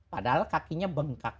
padahal kakinya bengkak